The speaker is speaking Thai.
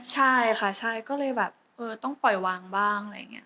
ใช่ค่ะก็เลยต้องปล่อยวางบ้าง